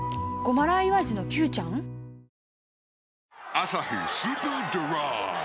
「アサヒスーパードライ」